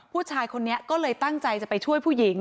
ผู้ชายคนนี้ก็เลยตั้งใจจะไปช่วยผู้หญิง